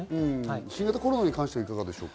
新型コロナに関してはいかがでしょうか？